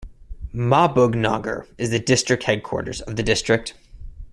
Mahbubnagar is the district headquarters of the district.